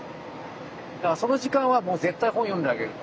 だからその時間はもう絶対本読んであげる。